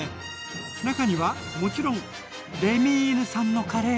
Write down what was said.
中にはもちろんレミーヌさんのカレーも！